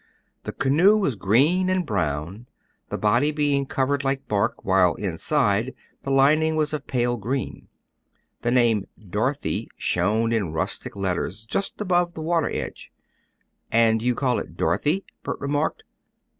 The canoe was green and brown, the body being colored like bark, while inside, the lining was of pale green. The name, Dorothy, shone in rustic letters just above the water edge. "And you called it Dorothy," Bert remarked.